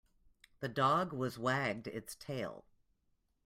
The dog was wagged its tail.